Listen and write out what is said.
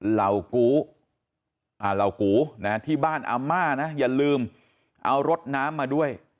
เหล่ากูเหล่ากูนะที่บ้านอาม่านะอย่าลืมเอารถน้ำมาด้วย